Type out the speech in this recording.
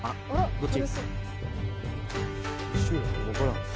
どっち？